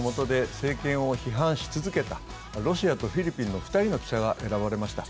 政権を批判し続けたロシアとフィリピンの２人の記者が選ばれました。